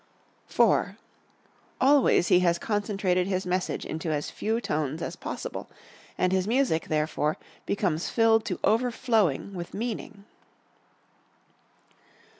IV. Always he has concentrated his message into as few tones as possible, and his music, therefore, becomes filled to overflowing with meaning.